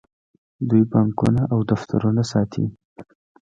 دوی بانکونه او دفترونه ساتي.